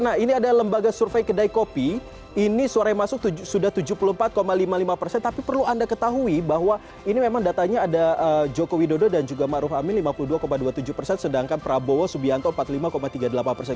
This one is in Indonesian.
nah ini ada lembaga survei kedai kopi ini suara yang masuk sudah tujuh puluh empat lima puluh lima persen tapi perlu anda ketahui bahwa ini memang datanya ada joko widodo dan juga ⁇ maruf ⁇ amin lima puluh dua dua puluh tujuh persen sedangkan prabowo subianto empat puluh lima tiga puluh delapan persen